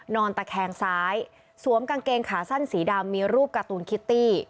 นอนตะแคงซ้ายสวมกางเกงขาสั้นสีดำมีรูปการ์ตูนคิตตี้